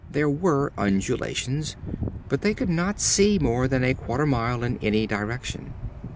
There were undulations. But they could not see more than a quarter mile in any direction.